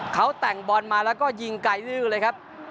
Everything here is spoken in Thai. เขาแต่งบอลมาแล้วก็ยิงไกลดื้อเลยครับ